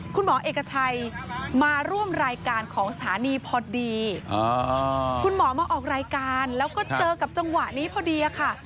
คุณหมอเอกชัยมาร่วมรายการของสถานีพอดีคุณหมอมาออกรายการแล้วก็เจอกับจังหวะนี้พอดีค่ะ